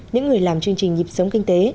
những người làm chương trình nhịp sống kinh tế